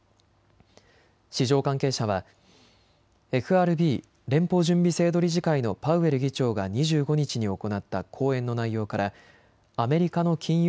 市場関係者はＦＲＢ・連邦準備制度理事会のパウエル議長が２５日に行った講演の内容からアメリカの金融